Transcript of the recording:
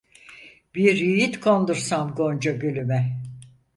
Bir yiğit kondursam gonca gülüme.